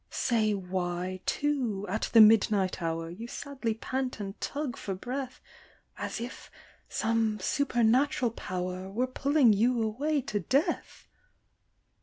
" Say why, too, at the midnight hour, You sadly pant and tug for breath, As if same supernat ral pow'r Were pulling you away to death?